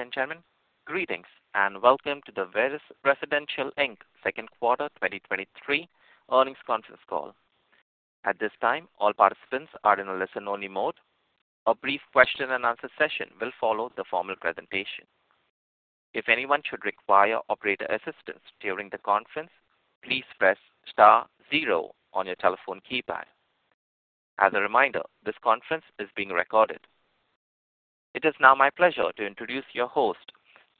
Ladies, and gentlemen, greetings, welcome to the Veris Residential, Inc Second Quarter 2023 Earnings Conference Call. At this time, all participants are in a listen-only mode. A brief question-and-answer session will follow the formal presentation. If anyone should require operator assistance during the conference, please press star zero on your telephone keypad. As a reminder, this conference is being recorded. It is now my pleasure to introduce your host,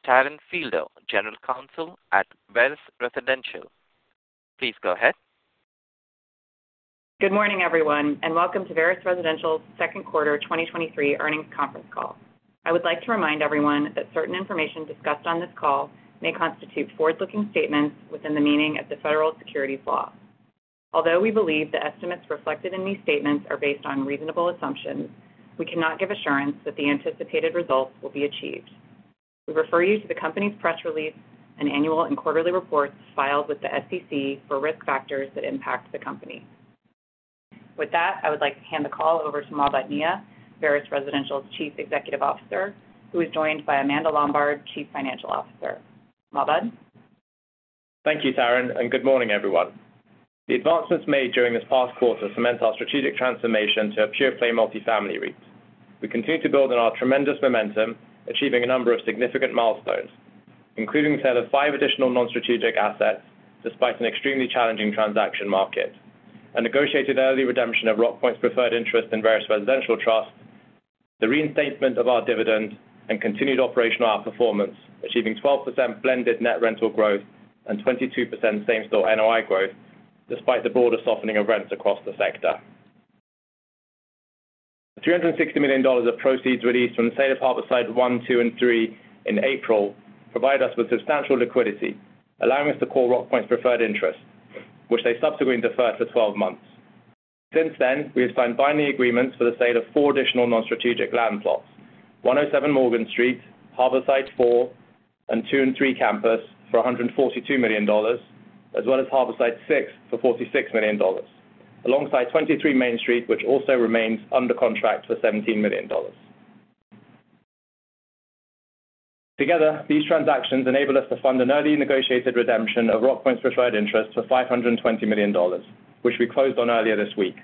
Taryn Fielder, General Counsel at Veris Residential. Please go ahead. Good morning, everyone, and welcome to Veris Residential's Second Quarter 2023 Earnings Conference Call. I would like to remind everyone that certain information discussed on this call may constitute forward-looking statements within the meaning of the Federal Securities Law. Although we believe the estimates reflected in these statements are based on reasonable assumptions, we cannot give assurance that the anticipated results will be achieved. We refer you to the company's press release and annual and quarterly reports filed with the SEC for risk factors that impact the company. With that, I would like to hand the call over to Mahbod Nia, Veris Residential's Chief Executive Officer, who is joined by Amanda Lombard, Chief Financial Officer. Mahbod? Thank you, Taryn. Good morning, everyone. The advancements made during this past quarter cement our strategic transformation to a pure-play multifamily REIT. We continue to build on our tremendous momentum, achieving a number of significant milestones, including the sale of five additional non-strategic assets, despite an extremely challenging transaction market, a negotiated early redemption of Rockpoint's preferred interest in Veris Residential Trust, the reinstatement of our dividend, and continued operational outperformance, achieving 12% blended net rental growth and 22% same-store NOI growth, despite the broader softening of rents across the sector. $360 million of proceeds released from the sale of Harborside 1, 2, and 3 in April provide us with substantial liquidity, allowing us to call Rockpoint's preferred interest, which they subsequently deferred for 12 months. Since then, we have signed binding agreements for the sale of four additional non-strategic land plots: 107 Morgan Street, Harborside 4, and 2 and 3 Campus for $142 million, as well as Harborside 6 for $46 million, alongside 23 Main Street, which also remains under contract for $17 million. Together, these transactions enable us to fund an early negotiated redemption of Rockpoint's preferred interest for $520 million, which we closed on earlier this week,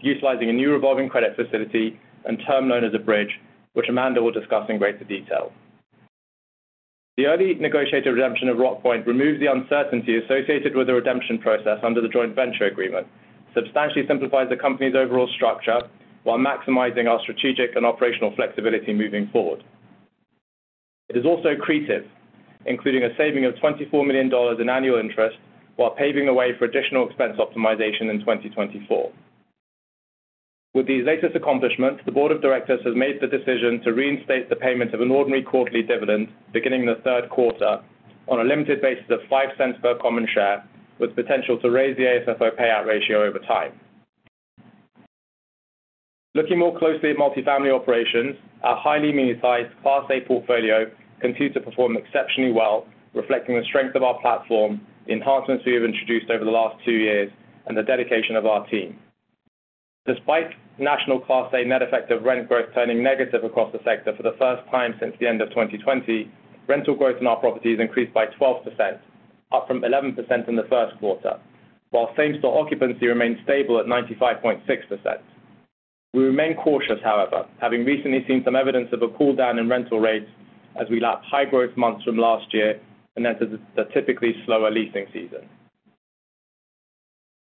utilizing a new revolving credit facility and term loan as a bridge, which Amanda will discuss in greater detail. The early negotiated redemption of Rockpoint removes the uncertainty associated with the redemption process under the joint venture agreement, substantially simplifies the company's overall structure, while maximizing our strategic and operational flexibility moving forward. It is also accretive, including a saving of $24 million in annual interest, while paving the way for additional expense optimization in 2024. With these latest accomplishments, the Board of Directors has made the decision to reinstate the payment of an ordinary quarterly dividend beginning in the third quarter on a limited basis of $0.05 per common share, with potential to raise the AFFO payout ratio over time. Looking more closely at multifamily operations, our highly amenitized Class A portfolio continues to perform exceptionally well, reflecting the strength of our platform, the enhancements we have introduced over the last two years, and the dedication of our team. Despite national Class A net effective rent growth turning negative across the sector for the first time since the end of 2020, rental growth in our properties increased by 12%, up from 11% in the first quarter, while same-store occupancy remained stable at 95.6%. We remain cautious, however, having recently seen some evidence of a cooldown in rental rates as we lap high growth months from last year and enter the typically slower leasing season.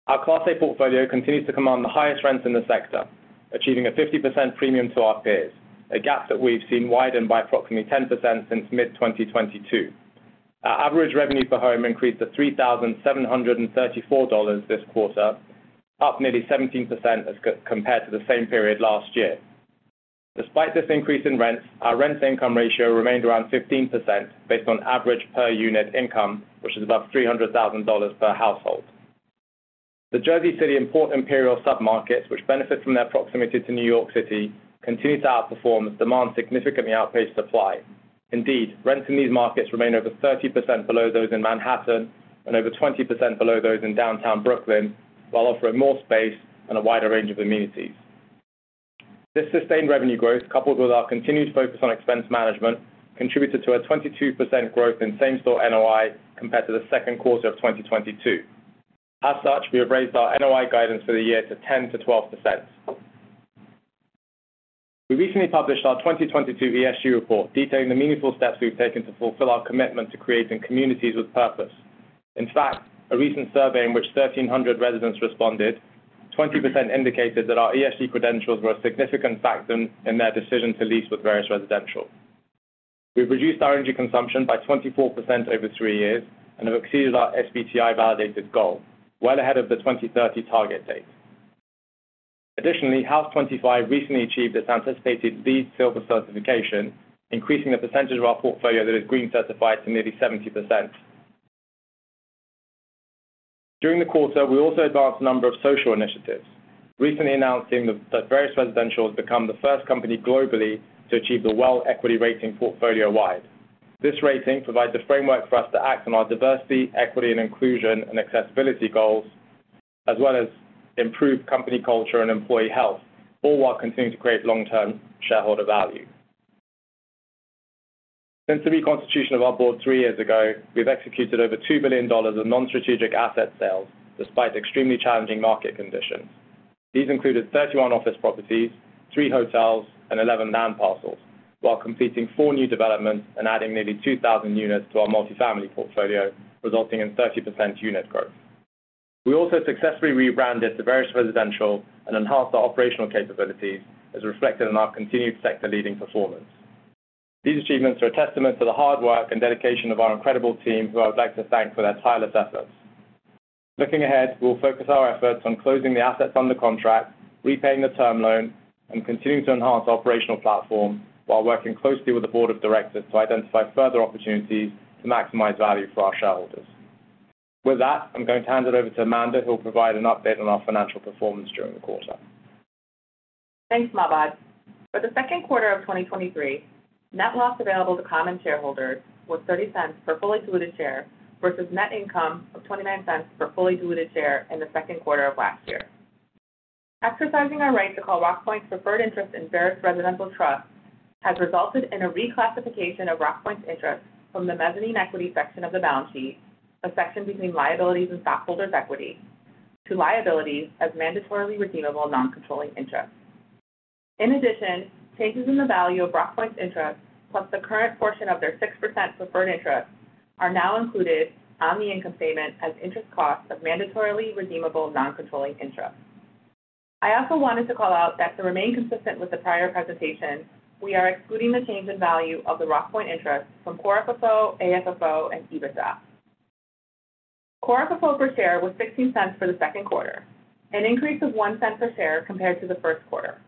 Our Class A portfolio continues to command the highest rents in the sector, achieving a 50% premium to our peers, a gap that we've seen widen by approximately 10% since mid-2022. Our average revenue per home increased to $3,734 this quarter, up nearly 17% as compared to the same period last year. Despite this increase in rents, our rent-to-income ratio remained around 15%, based on average per unit income, which is above $300,000 per household. The Jersey City and Port Imperial submarkets, which benefit from their proximity to New York City, continue to outperform as demand significantly outpaced supply. Indeed, rents in these markets remain over 30% below those in Manhattan and over 20% below those in downtown Brooklyn, while offering more space and a wider range of amenities. This sustained revenue growth, coupled with our continued focus on expense management, contributed to a 22% growth in same-store NOI compared to the second quarter of 2022. We have raised our NOI guidance for the year to 10%-12%. We recently published our 2022 ESG report, detailing the meaningful steps we've taken to fulfill our commitment to creating communities with purpose. In fact, a recent survey in which 1,300 residents responded, 20% indicated that our ESG credentials were a significant factor in their decision to lease with Veris Residential. We've reduced our energy consumption by 24% over three years and have exceeded our SBTi-validated goal, well ahead of the 2030 target date. Additionally, Haus 25 recently achieved its anticipated LEED Silver certification, increasing the percentage of our portfolio that is green certified to nearly 70%. During the quarter, we also advanced a number of social initiatives, recently announcing that Veris Residential has become the first company globally to achieve the WELL Equity Rating portfolio-wide. This rating provides a framework for us to act on our diversity, equity, and inclusion, and accessibility goals.... as well as improve company culture and employee health, all while continuing to create long-term shareholder value. Since the reconstitution of our board three years ago, we've executed over $2 billion of non-strategic asset sales, despite extremely challenging market conditions. These included 31 office properties, three hotels, and 11 land parcels, while completing four new developments and adding nearly 2,000 units to our multifamily portfolio, resulting in 30% unit growth. We also successfully rebranded Veris Residential and enhanced our operational capabilities, as reflected in our continued sector-leading performance. These achievements are a testament to the hard work and dedication of our incredible team, who I would like to thank for their tireless efforts. Looking ahead, we'll focus our efforts on closing the assets under contract, repaying the term loan, and continuing to enhance operational platform, while working closely with the Board of Directors to identify further opportunities to maximize value for our shareholders. With that, I'm going to hand it over to Amanda, who will provide an update on our financial performance during the quarter. Thanks, Mahbod. For the second quarter of 2023, net loss available to common shareholders was $0.30 per fully diluted share, versus net income of $0.29 per fully diluted share in the second quarter of last year. Exercising our right to call Rockpoint's preferred interest in Veris Residential Trust has resulted in a reclassification of Rockpoint's interest from the mezzanine equity section of the balance sheet, a section between liabilities and stockholders' equity, to liabilities as mandatorily redeemable non-controlling interest. In addition, changes in the value of Rockpoint's interest, plus the current portion of their 6% preferred interest, are now included on the income statement as interest costs of mandatorily redeemable non-controlling interest. I also wanted to call out that to remain consistent with the prior presentation, we are excluding the change in value of the Rockpoint interest from Core FFO, AFFO, and EBITDA. Core FFO per share was $0.16 for the second quarter, an increase of $0.01 per share compared to the first quarter,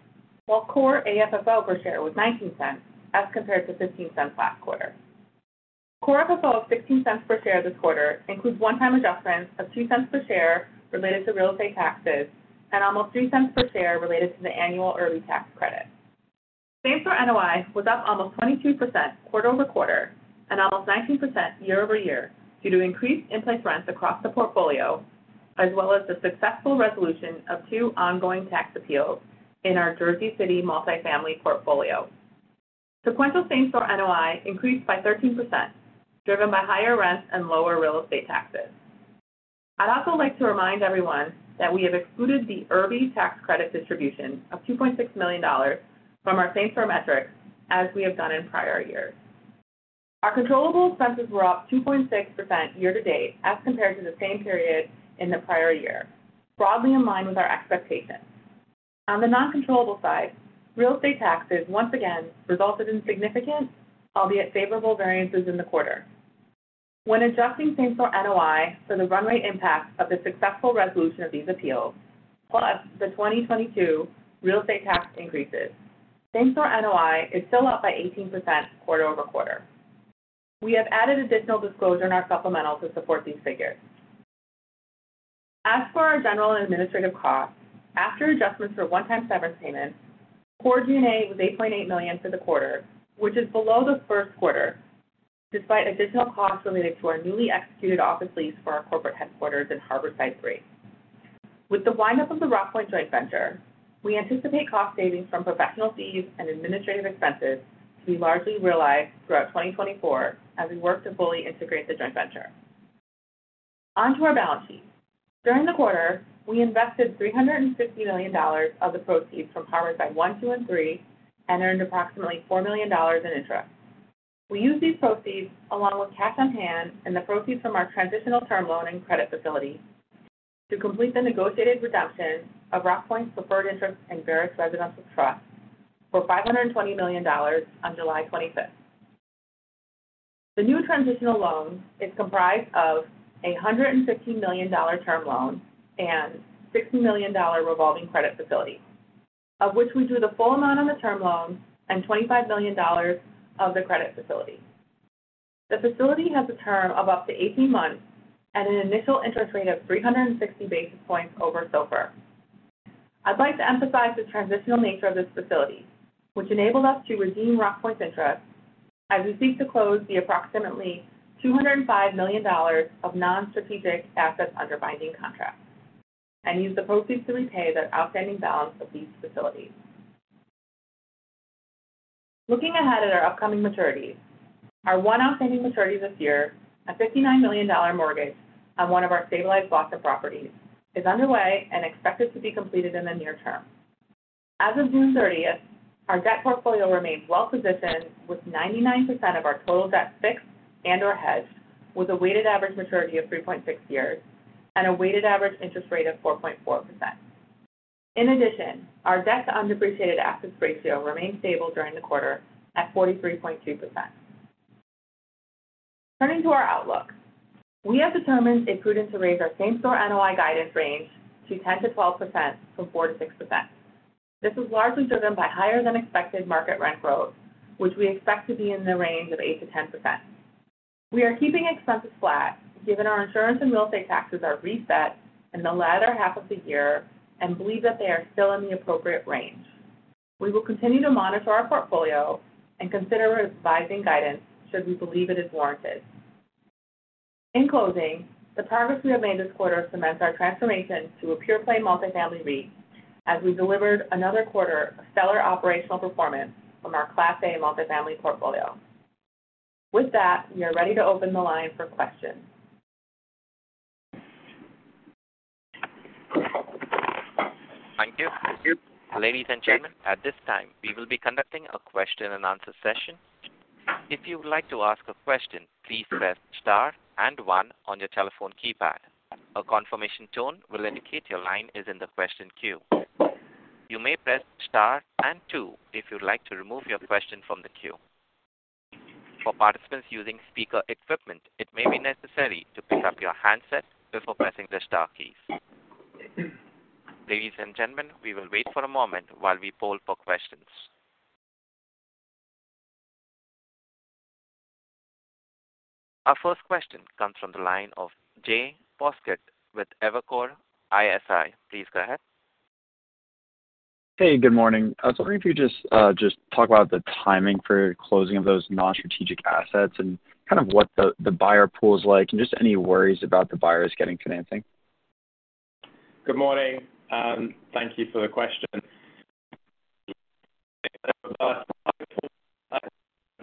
while Core AFFO per share was $0.19, as compared to $0.15 last quarter. Core FFO of $0.16 per share this quarter includes one-time adjustments of $0.02 per share related to real estate taxes and almost $0.03 per share related to the annual IRB tax credit. Same Store NOI was up almost 22% quarter-over-quarter and almost 19% year-over-year due to increased in-place rents across the portfolio, as well as the successful resolution of two ongoing tax appeals in our Jersey City multifamily portfolio. Sequential Same Store NOI increased by 13%, driven by higher rents and lower real estate taxes. I'd also like to remind everyone that we have excluded the IRB tax credit distribution of $2.6 million from our same store metrics as we have done in prior years. Our controllable expenses were up 2.6% year-to-date as compared to the same period in the prior year, broadly in line with our expectations. On the non-controllable side, real estate taxes once again resulted in significant, albeit favorable, variances in the quarter. When adjusting Same Store NOI for the run rate impact of the successful resolution of these appeals, plus the 2022 real estate tax increases, Same Store NOI is still up by 18% quarter-over-quarter. We have added additional disclosure in our supplemental to support these figures. As for our general and administrative costs, after adjustments for one-time severance payments, core G&A was $8.8 million for the quarter, which is below the first quarter, despite additional costs related to our newly executed office lease for our corporate headquarters in Harborside 3. With the wind-up of the Rockpoint joint venture, we anticipate cost savings from professional fees and administrative expenses to be largely realized throughout 2024 as we work to fully integrate the joint venture. On to our balance sheet. During the quarter, we invested $350 million of the proceeds from Harborside 1, 2, and 3, and earned approximately $4 million in interest. We used these proceeds, along with cash on hand and the proceeds from our transitional term loan and credit facility, to complete the negotiated redemption of Rockpoint's preferred interest in Veris Residential Trust for $520 million on July 25th. The new transitional loan is comprised of a $150 million term loan and $60 million revolving credit facility, of which we drew the full amount on the term loan and $25 million of the credit facility. The facility has a term of up to 18 months and an initial interest rate of 360 basis points over SOFR. I'd like to emphasize the transitional nature of this facility, which enabled us to redeem Rockpoint's interest as we seek to close the approximately $205 million of non-strategic assets under binding contracts and use the proceeds to repay the outstanding balance of these facilities. Looking ahead at our upcoming maturities, our one outstanding maturity this year, a $59 million mortgage on one of our stabilized Boston properties, is underway and expected to be completed in the near term. As of June 30th, our debt portfolio remains well-positioned, with 99% of our total debt fixed and/or hedged, with a weighted average maturity of 3.6 years and a weighted average interest rate of 4.4%. In addition, our debt-to-undepreciated assets ratio remained stable during the quarter at 43.2%. Turning to our outlook, we have determined it prudent to raise our Same Store NOI guidance range to 10%-12% from 4%-6%. This is largely driven by higher than expected market rent growth, which we expect to be in the range of 8%-10%. We are keeping expenses flat, given our insurance and real estate taxes are reset in the latter half of the year and believe that they are still in the appropriate range. We will continue to monitor our portfolio and consider revising guidance should we believe it is warranted. In closing, the progress we have made this quarter cements our transformation to a pure-play multifamily REIT, as we delivered another quarter of stellar operational performance from our Class A multifamily portfolio. With that, we are ready to open the line for questions. Thank you. Ladies, and gentlemen, at this time, we will be conducting a question-and-answer session. If you would like to ask a question, please press star and one on your telephone keypad. A confirmation tone will indicate your line is in the question queue. You may press star and two if you'd like to remove your question from the queue. For participants using speaker equipment, it may be necessary to pick up your handset before pressing the star key. Ladies, and gentlemen, we will wait for a moment while we poll for questions. Our first question comes from the line of Jay Poskitt with Evercore ISI. Please go ahead. Good morning. I was wondering if you could just talk about the timing for closing of those non-strategic assets and kind of what the buyer pool is like, and just any worries about the buyers getting financing? Good morning. Thank you for the question.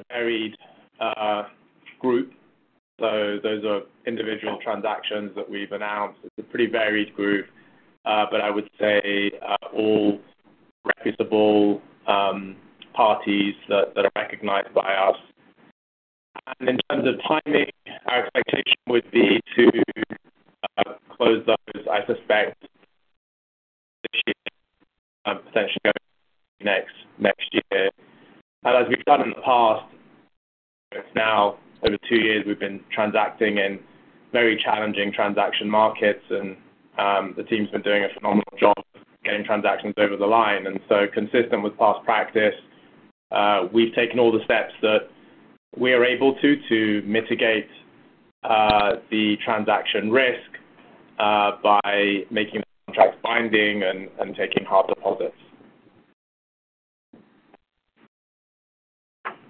Varied group. Those are individual transactions that we've announced. It's a pretty varied group, but I would say all reputable parties that are recognized by us. In terms of timing, our expectation would be to close those, I suspect, this year, potentially next year. As we've done in the past, now over two years, we've been transacting in very challenging transaction markets, and the team's been doing a phenomenal job getting transactions over the line. Consistent with past practice, we've taken all the steps that we are able to mitigate the transaction risk by making contract binding and taking hard deposits.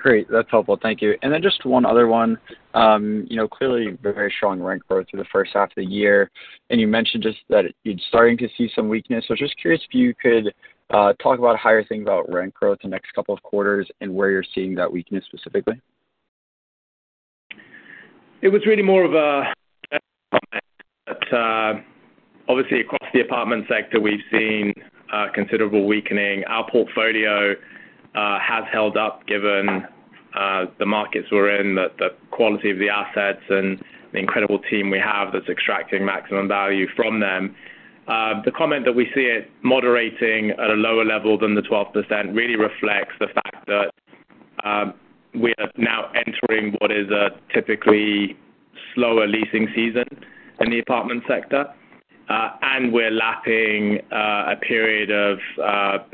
Great. That's helpful. Thank you. Then just one other one. You know, clearly very strong rent growth in the first half of the year, and you mentioned just that you're starting to see some weakness. Just curious if you could talk about how you're thinking about rent growth the next couple of quarters and where you're seeing that weakness specifically? It was really more of a, obviously, across the apartment sector, we've seen considerable weakening. Our portfolio has held up given the markets we're in, the quality of the assets and the incredible team we have that's extracting maximum value from them. The comment that we see it moderating at a lower level than the 12% really reflects the fact that we are now entering what is a typically slower leasing season in the apartment sector, and we're lapping a period of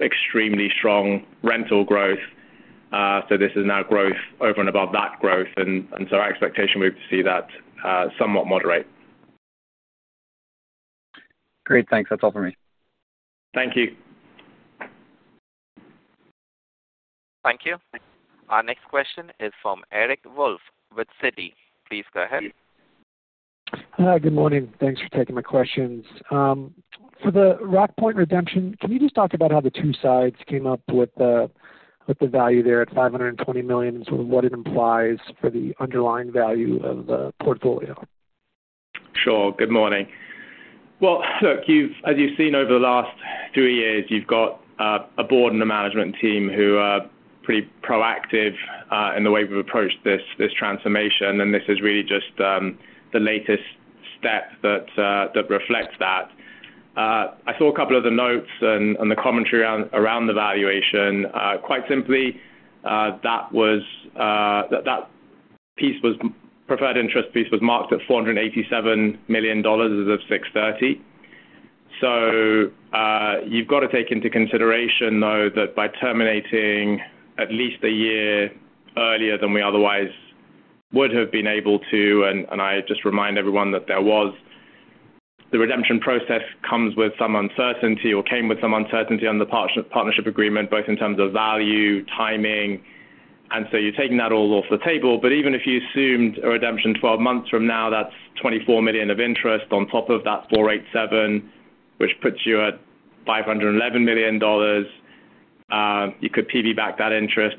extremely strong rental growth. This is now growth over and above that growth, and so our expectation, we see that somewhat moderate. Great. Thanks. That's all for me. Thank you. Thank you. Our next question is from Eric Wolfe with Citi. Please go ahead. Hi, good morning. Thanks for taking my questions. For the Rockpoint redemption, can you just talk about how the two sides came up with the value there at $520 million, and sort of what it implies for the underlying value of the portfolio? Sure. Good morning. Well, look, as you've seen over the last two years, you've got a board and a management team who are pretty proactive in the way we've approached this transformation. This is really just the latest step that reflects that. I saw a couple of the notes and the commentary around the valuation. Quite simply, that piece was preferred interest piece was marked at $487 million as of 6/30. You've got to take into consideration, though, that by terminating at least 1 year earlier than we otherwise would have been able to, and I just remind everyone that there was... The redemption process comes with some uncertainty or came with some uncertainty on the partnership agreement, both in terms of value, timing, and so you're taking that all off the table. Even if you assumed a redemption 12 months from now, that's $24 million of interest on top of that $487, which puts you at $511 million. You could PB back that interest.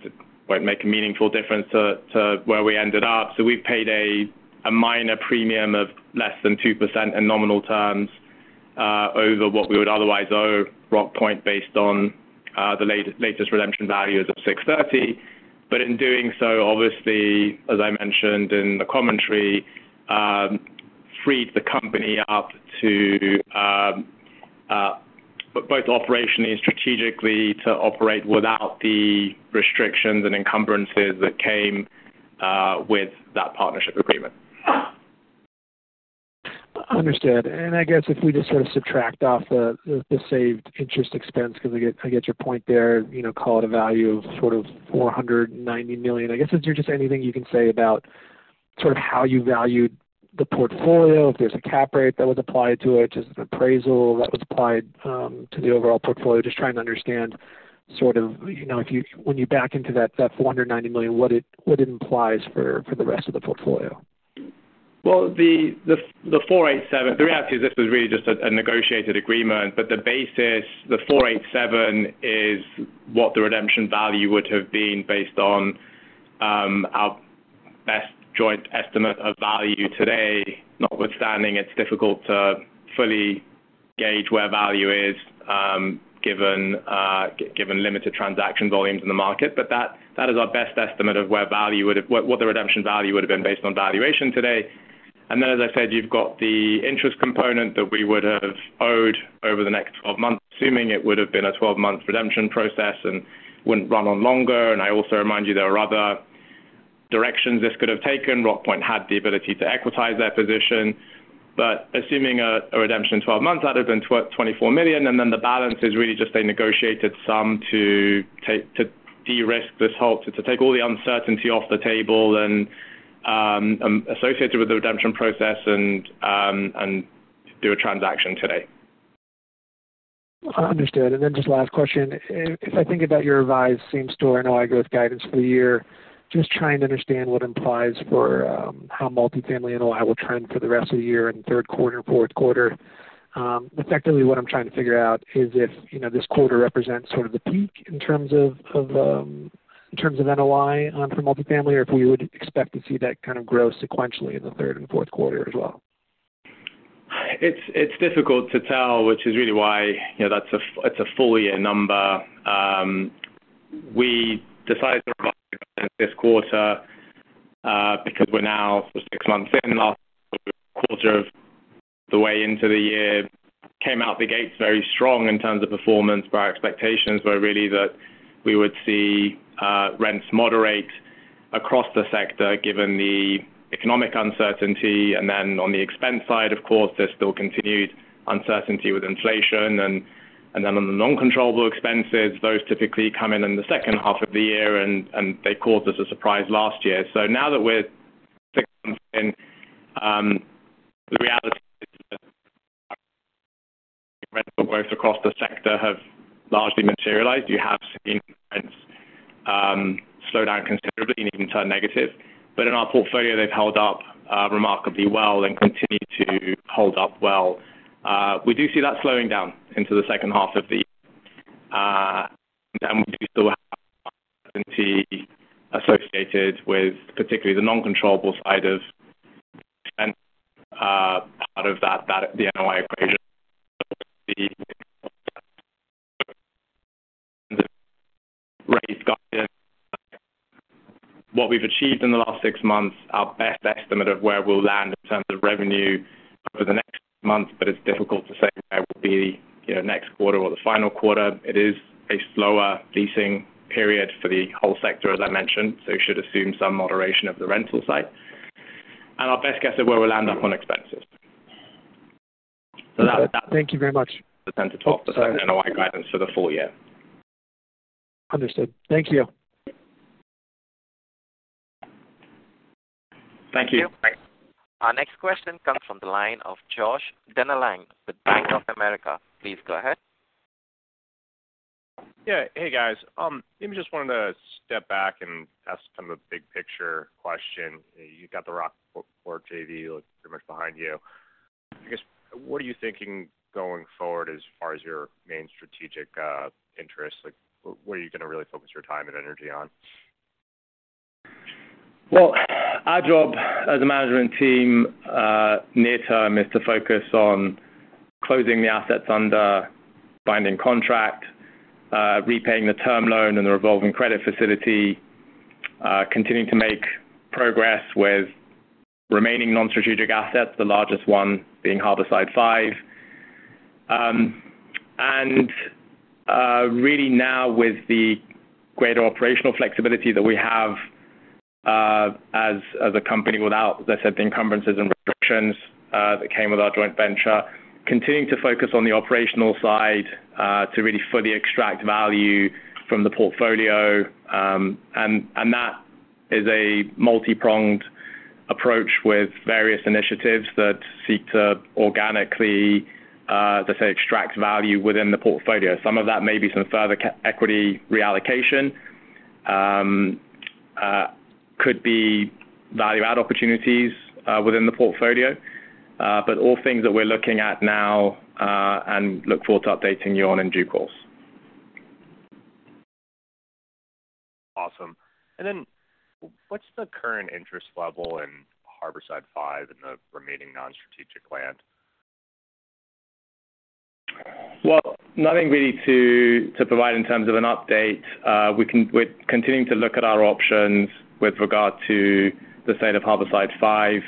Won't make a meaningful difference to where we ended up. We've paid a minor premium of less than 2% in nominal terms over what we would otherwise owe Rockpoint based on the latest redemption value as of 6/30. In doing so, obviously, as I mentioned in the commentary, freed the company up to both operationally and strategically to operate without the restrictions and encumbrances that came with that partnership agreement. Understood. I guess if we just sort of subtract off the saved interest expense, because I get your point there, you know, call it a value of sort of $490 million. I guess, is there just anything you can say about, sort of how you valued the portfolio, if there's a cap rate that was applied to it, just an appraisal that was applied to the overall portfolio. Just trying to understand sort of, you know, if you, when you back into that, that $490 million, what it implies for the rest of the portfolio. Well, the $487, the reality is this was really just a negotiated agreement, the basis, the $487, is what the redemption value would have been based on our best joint estimate of value today. Notwithstanding, it's difficult to fully gauge where value is, given limited transaction volumes in the market. That, that is our best estimate of where value would have what the redemption value would have been based on valuation today. Then, as I said, you've got the interest component that we would have owed over the next 12 months, assuming it would have been a 12-month redemption process and wouldn't run on longer. I also remind you, there are other directions this could have taken. Rockpoint had the ability to equitize their position. Assuming a redemption in 12 months, that have been $24 million, and then the balance is really just a negotiated sum to de-risk this whole, to take all the uncertainty off the table and associated with the redemption process and do a transaction today. Understood. Just last question. If I think about your revised Same Store, NOI guidance for the year, just trying to understand what implies for how multifamily and ROI will trend for the rest of the year in third quarter, fourth quarter. Effectively, what I'm trying to figure out is if, you know, this quarter represents sort of the peak in terms of NOI for multifamily, or if we would expect to see that kind of grow sequentially in the third and fourth quarter as well. It's difficult to tell, which is really why, you know, that's a full year number. We decided to this quarter, because we're now six months in, last quarter of the way into the year, came out the gates very strong in terms of performance, but our expectations were really that we would see rents moderate across the sector, given the economic uncertainty. On the expense side, of course, there's still continued uncertainty with inflation. On the non-controllable expenses, those typically come in in the second half of the year, and they caused us a surprise last year. Now that we're in, the reality is growth across the sector have largely materialized. You have seen rents slow down considerably and even turn negative. In our portfolio, they've held up remarkably well and continue to hold up well. We do see that slowing down into the second half of the year. We do still have associated with particularly the non-controllable side of part of that, the NOI equation. What we've achieved in the last six months, our best estimate of where we'll land in terms of revenue over the next month, but it's difficult to say where we'll be, you know, next quarter or the final quarter. It is a slower leasing period for the whole sector, as I mentioned, so should assume some moderation of the rental side. Our best guess at where we'll land up on expenses. Thank you very much. 10%-12% NOI guidance for the full year. Understood. Thank you. Thank you. Our next question comes from the line of Josh Dennerlein with Bank of America. Please go ahead. Hey, guys. Maybe just wanted to step back and ask kind of a big picture question. You got the Rockpoint JV pretty much behind you. What are you thinking going forward as far as your main strategic interests? Like, where are you gonna really focus your time and energy on? Well, our job as a management team, near term, is to focus on closing the assets under binding contract, repaying the term loan and the revolving credit facility, continuing to make progress with remaining non-strategic assets, the largest one being Harborside 5. Really now, with the greater operational flexibility that we have, as a company without, let's say, the encumbrances and restrictions, that came with our joint venture, continuing to focus on the operational side, to really fully extract value from the portfolio. That is a multipronged approach with various initiatives that seek to organically, let's say, extract value within the portfolio. Some of that may be some further equity reallocation, could be value-add opportunities, within the portfolio, but all things that we're looking at now, and look forward to updating you on in due course. Awesome. Then what's the current interest level in Harborside 5 and the remaining non-strategic land? Well, nothing really to, to provide in terms of an update. We're continuing to look at our options with regard to the state of Harborside 5,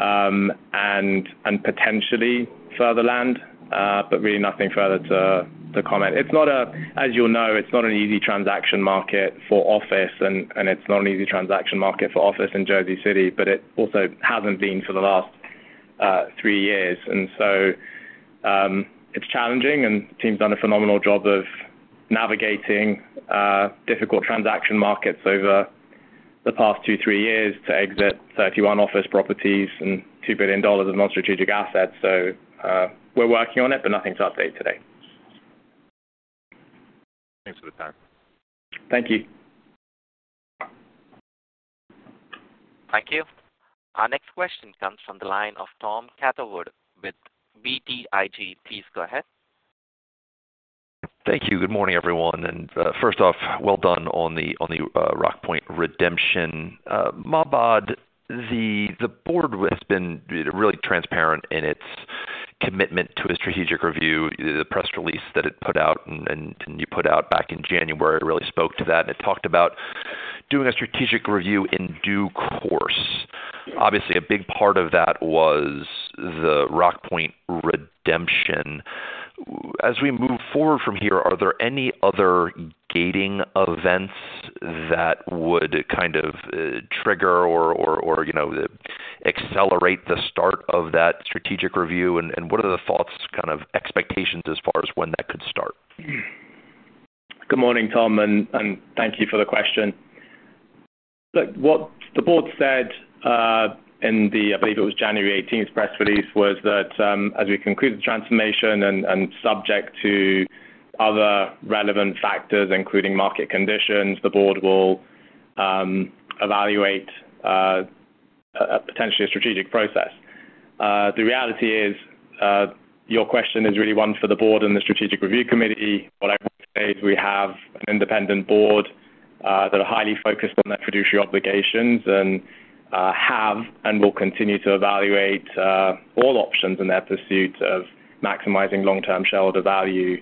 and potentially further land, but really nothing further to, to comment. It's not a. As you'll know, it's not an easy transaction market for office and it's not an easy transaction market for office in Jersey City, but it also hasn't been for the last three years. It's challenging, and the team's done a phenomenal job of navigating difficult transaction markets over the past two, three years to exit 31 office properties and $2 billion of non-strategic assets. We're working on it, but nothing to update today. Thanks for the time. Thank you. Thank you. Our next question comes from the line of Tom Catherwood with BTIG. Please go ahead. Thank you. Good morning, everyone. First off, well done on the Rockpoint redemption. Mahbod, the board has been really transparent in its commitment to a strategic review. The press release that it put out and you put out back in January, it really spoke to that, and it talked about doing a strategic review in due course. Obviously, a big part of that was the Rockpoint redemption. As we move forward from here, are there any other gating events that would kind of trigger or, you know, accelerate the start of that strategic review? What are the thoughts, kind of expectations as far as when that could start? Good morning, Tom, and thank you for the question. Look, what the board said in the, I believe it was January 18th press release, was that, as we conclude the transformation and subject to other relevant factors, including market conditions, the board will evaluate a potentially a strategic process. The reality is, your question is really one for the board and the Strategic Review Committee. What I want to say is we have an independent board that are highly focused on their fiduciary obligations and have and will continue to evaluate all options in their pursuit of maximizing long-term shareholder value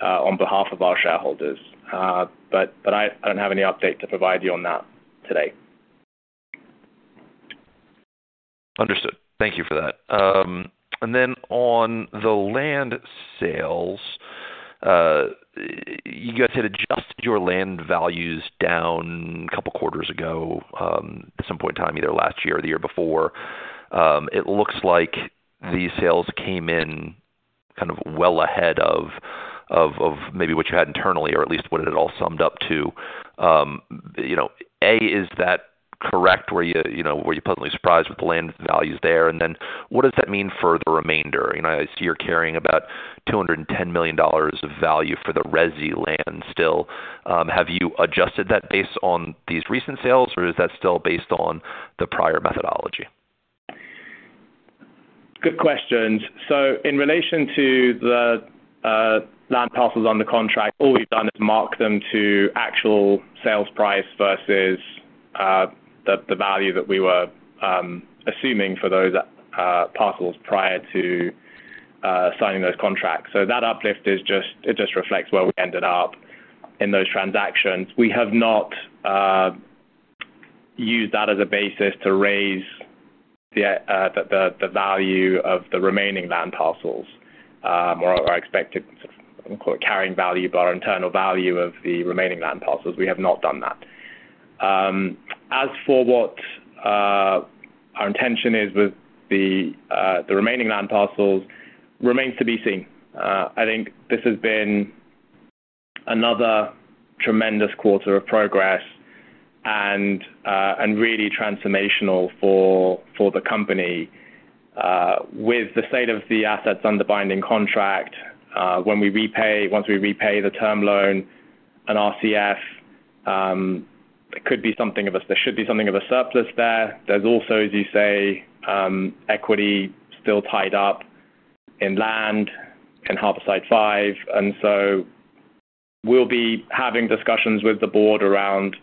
on behalf of our shareholders. I don't have any update to provide you on that today. Understood. Thank you for that. On the land sales, you guys had adjusted your land values down a couple of quarters ago, at some point in time, either last year or the year before. It looks like these sales came in kind of well ahead of maybe what you had internally, or at least what it all summed up to. You know, A, is that correct? Were you, you know, pleasantly surprised with the land values there? What does that mean for the remainder? You know, I see you're carrying about $210 million of value for the resi land still. Have you adjusted that based on these recent sales, or is that still based on the prior methodology? Good questions. In relation to the land parcels on the contract, all we've done is mark them to actual sales price versus the value that we were assuming for those parcels prior to signing those contracts. That uplift is just it just reflects where we ended up in those transactions. We have not used that as a basis to raise the value of the remaining land parcels, or expected, quote, "carrying value," but our internal value of the remaining land parcels, we have not done that. As for what our intention is with the remaining land parcels, remains to be seen. I think this has been another tremendous quarter of progress and really transformational for the company. With the state of the assets under binding contract, when we repay, once we repay the term loan and RCF, there should be something of a surplus there. There's also, as you say, equity still tied up in land, in Harborside 5. We'll be having discussions with the board around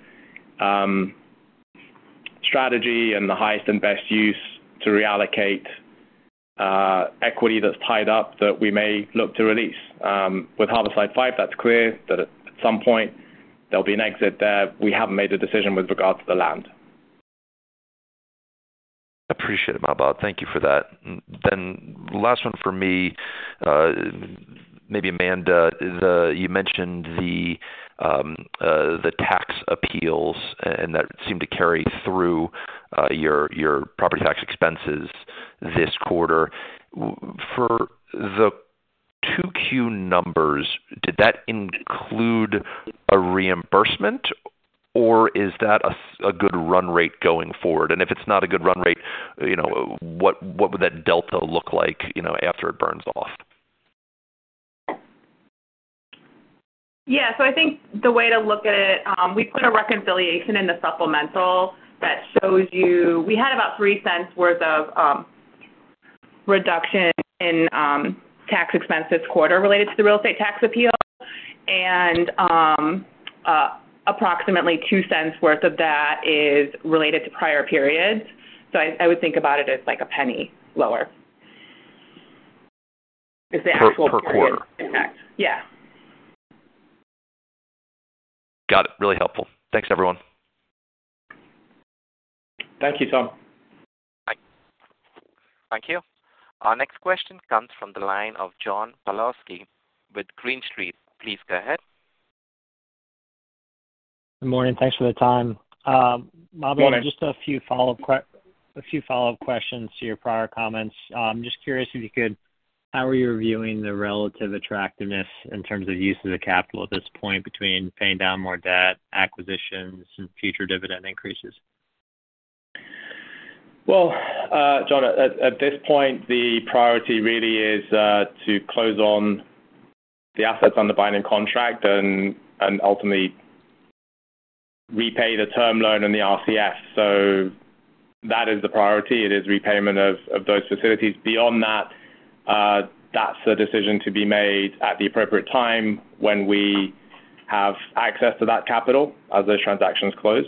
strategy and the highest and best use to reallocate equity that's tied up that we may look to release. With Harborside 5, that's clear that at some point there'll be an exit there. We haven't made a decision with regard to the land. Appreciate it, Mahbod. Thank you for that. Last one for me, maybe Amanda. You mentioned the tax appeals, and that seemed to carry through your property tax expenses this quarter. For the 2Q numbers, did that include a reimbursement, or is that a good run rate going forward? If it's not a good run rate, you know, what would that delta look like, you know, after it burns off? Yeah. I think the way to look at it, we put a reconciliation in the supplemental that shows you. We had about $0.03 worth of reduction in tax expense this quarter related to the real estate tax appeal. Approximately $0.02 worth of that is related to prior periods. I, I would think about it as like $0.01 lower. Is the actual. Per quarter? impact. Yeah. Got it. Really helpful. Thanks, everyone. Thank you, Tom. Thank you. Our next question comes from the line of John Pawlowski with Green Street. Please go ahead. Good morning. Thanks for the time. Bobby, Good morning. Just a few follow-up questions to your prior comments. I'm just curious how are you reviewing the relative attractiveness in terms of use of the capital at this point between paying down more debt, acquisitions, and future dividend increases? Well, John, at this point, the priority really is to close on the assets on the binding contract and ultimately repay the term loan and the RCF. That is the priority. It is repayment of those facilities. Beyond that, that's a decision to be made at the appropriate time when we have access to that capital as those transactions close,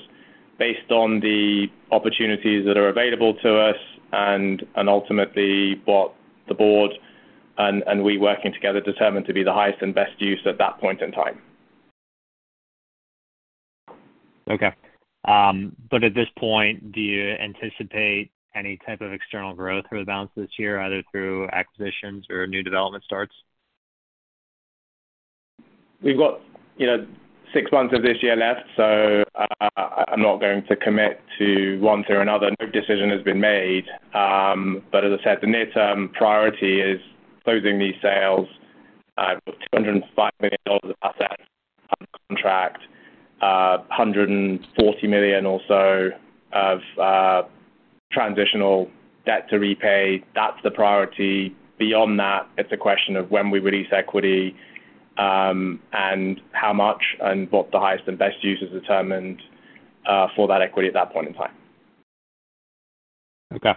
based on the opportunities that are available to us and ultimately, what the board and we, working together, determine to be the highest and best use at that point in time. Okay. At this point, do you anticipate any type of external growth for the balance of this year, either through acquisitions or new development starts? We've got, you know, six months of this year left, I'm not going to commit to one through another. No decision has been made. As I said, the near-term priority is closing these sales. $205 million of assets on contract, $140 million or so of transitional debt to repay. That's the priority. Beyond that, it's a question of when we release equity, and how much, and what the highest and best use is determined for that equity at that point in time. Okay.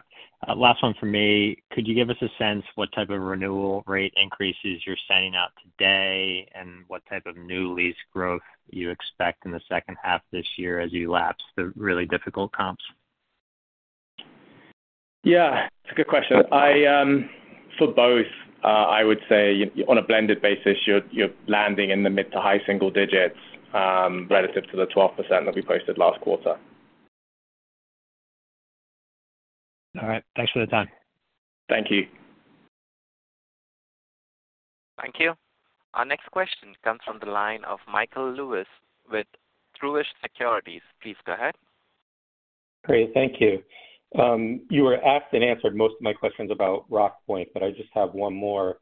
Last one for me. Could you give us a sense what type of renewal rate increases you're sending out today, and what type of new lease growth you expect in the second half of this year as you lapse the really difficult comps? Yeah, it's a good question. I, for both, I would say on a blended basis, you're landing in the mid to high single digits, relative to the 12% that we posted last quarter. All right. Thanks for the time. Thank you. Thank you. Our next question comes from the line of Michael Lewis with Truist Securities. Please go ahead. Great. Thank you. You were asked and answered most of my questions about Rockpoint, but I just have one more.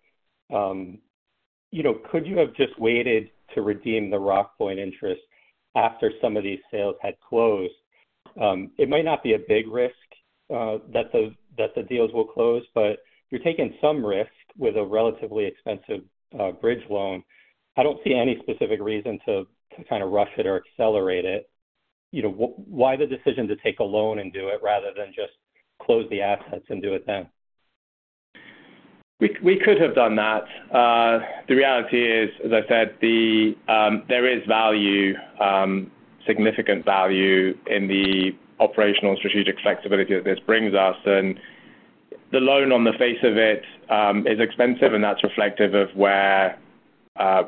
You know, could you have just waited to redeem the Rockpoint interest after some of these sales had closed? It might not be a big risk that the deals will close, but you're taking some risk with a relatively expensive bridge loan. I don't see any specific reason to kind of rush it or accelerate it. You know, why the decision to take a loan and do it, rather than just close the assets and do it then? We could have done that. The reality is, as I said, there is value, significant value in the operational strategic flexibility that this brings us. The loan, on the face of it, is expensive, and that's reflective of where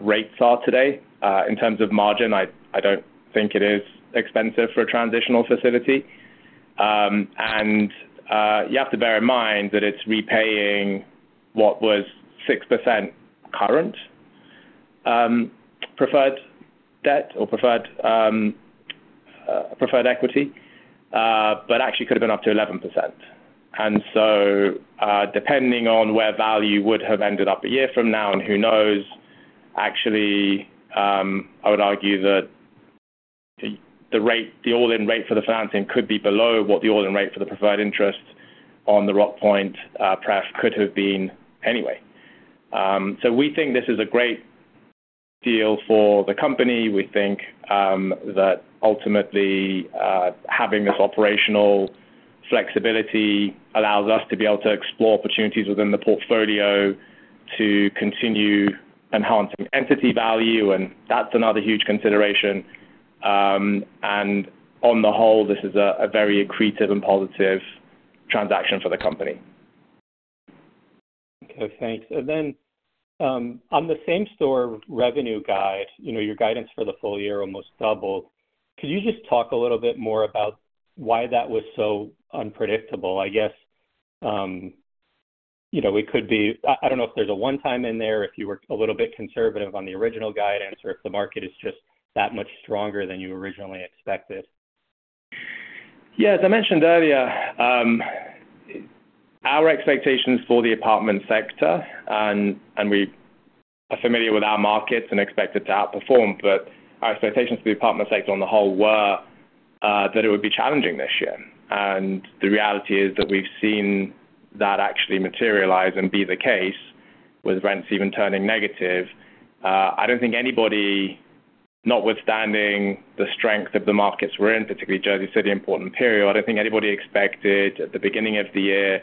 rates are today. In terms of margin, I don't think it is expensive for a transitional facility. You have to bear in mind that it's repaying what was 6% current preferred debt or preferred preferred equity, but actually could have been up to 11%. Depending on where value would have ended up a year from now, and who knows? Actually, I would argue that the, the rate, the all-in rate for the financing could be below what the all-in rate for the preferred interest on the Rockpoint pref could have been anyway. We think this is a great deal for the company. We think that ultimately, having this operational flexibility allows us to be able to explore opportunities within the portfolio to continue enhancing entity value, and that's another huge consideration. On the whole, this is a very accretive and positive transaction for the company. Okay, thanks. On the same-store revenue guide, you know, your guidance for the full year almost doubled. Could you just talk a little bit more about why that was so unpredictable? I guess, you know, I don't know if there's a one-time in there, if you were a little bit conservative on the original guidance, or if the market is just that much stronger than you originally expected. Yeah, as I mentioned earlier, our expectations for the apartment sector and we are familiar with our markets and expect it to outperform, but our expectations for the apartment sector on the whole were that it would be challenging this year. The reality is that we've seen that actually materialize and be the case, with rents even turning negative. I don't think anybody, notwithstanding the strength of the markets we're in, particularly Jersey City and Boston, Period. I don't think anybody expected at the beginning of the year,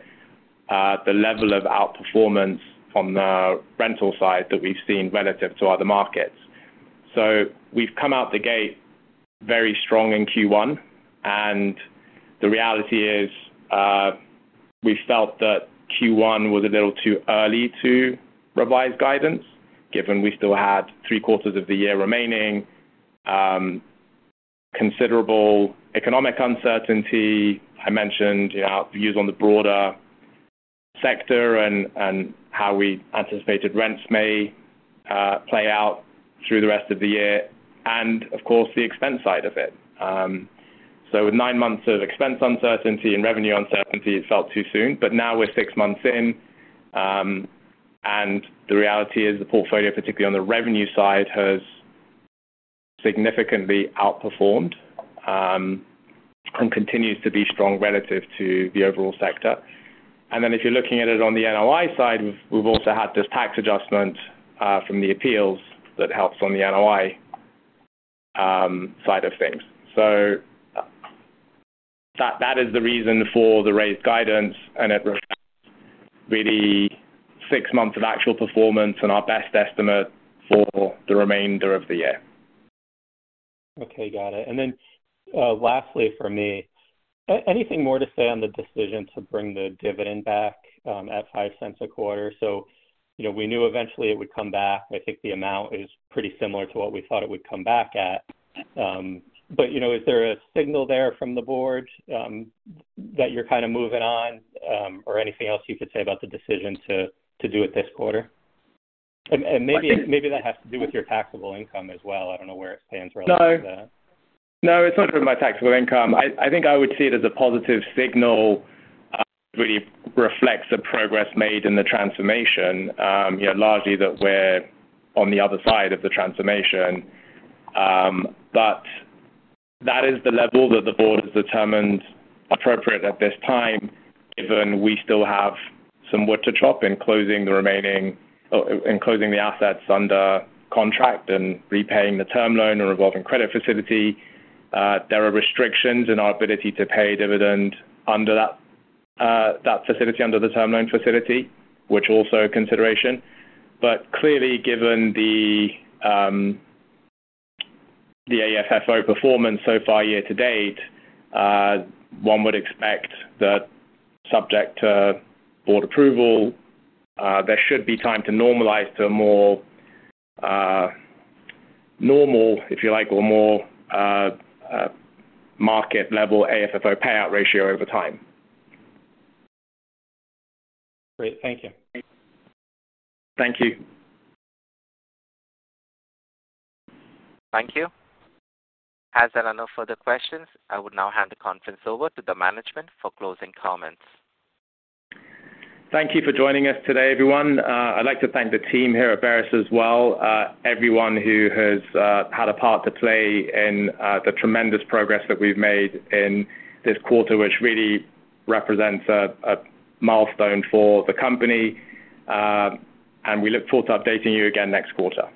the level of outperformance on the rental side that we've seen relative to other markets. We've come out the gate very strong in Q1, and the reality is, we felt that Q1 was a little too early to revise guidance, given we still had three quarters of the year remaining, considerable economic uncertainty. I mentioned, you know, views on the broader... sector and how we anticipated rents may play out through the rest of the year and of course, the expense side of it. With nine months of expense uncertainty and revenue uncertainty, it felt too soon, but now we're six months in, and the reality is the portfolio, particularly on the revenue side, has significantly outperformed and continues to be strong relative to the overall sector. Then if you're looking at it on the NOI side, we've also had this tax adjustment from the appeals that helps on the NOI side of things. That is the reason for the raised guidance, and it reflects really six months of actual performance and our best estimate for the remainder of the year. Okay, got it. Then, lastly, for me, anything more to say on the decision to bring the dividend back, at $0.05 a quarter? You know, we knew eventually it would come back. I think the amount is pretty similar to what we thought it would come back at. You know, is there a signal there from the board that you're kind of moving on, or anything else you could say about the decision to do it this quarter? Maybe that has to do with your taxable income as well. I don't know where it stands relative to that. No, it's not about taxable income. I, I think I would see it as a positive signal, really reflects the progress made in the transformation, you know, largely that we're on the other side of the transformation. That is the level that the board has determined appropriate at this time, given we still have some wood to chop in closing the assets under contract and repaying the term loan or revolving credit facility. There are restrictions in our ability to pay dividend under that facility, under the term loan facility, which also a consideration. Clearly, given the AFFO performance so far year to date, one would expect that subject to board approval, there should be time to normalize to a more normal, if you like, or more market-level AFFO payout ratio over time. Great. Thank you. Thank you. Thank you. As there are no further questions, I would now hand the conference over to the management for closing comments. Thank you for joining us today, everyone. I'd like to thank the team here at Veris as well, everyone who has had a part to play in the tremendous progress that we've made in this quarter, which really represents a milestone for the company. We look forward to updating you again next quarter.